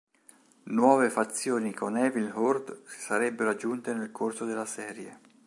Nuove fazioni con Evil Horde si sarebbero aggiunte nel corso della serie.